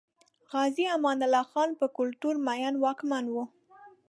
غازي امان الله خان پر کلتور مین واکمن و.